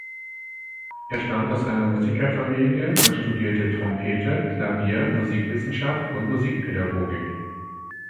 Er stammt aus einer Musikerfamilie und studierte Trompete, Klavier, Musikwissenschaft und Musikpädagogik.